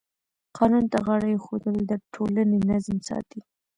قانون ته غاړه ایښودل د ټولنې نظم ساتي.